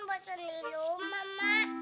udah bosen di rumah mak